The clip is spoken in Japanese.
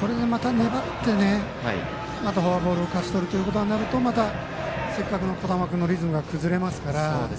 これでまた粘ってフォアボールを勝ち取るということになるとまたせっかくの小玉君のリズムが崩れますから。